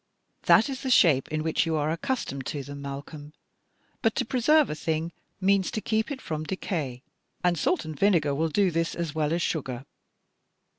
"That is the shape in which you are accustomed to them, Malcolm; but to preserve a thing means to keep it from decay, and salt and vinegar will do this as well as sugar.